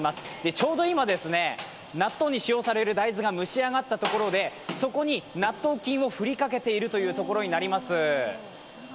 ちょうど今、納豆に使用される大豆が蒸し上がったところでそこに納豆菌を振りかけているというところになります。